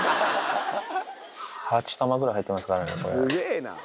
８玉ぐらい入ってますからね、これ。